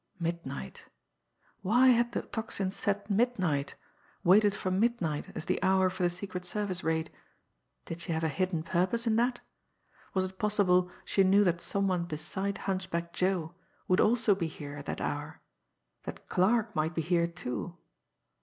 Midnight! Why had the Tocsin set midnight, waited for midnight as the hour for the Secret Service raid? Did she have a hidden purpose in that? Was it possible she knew that some one beside Hunchback Joe would also be here at that hour that Clarke might be here, too!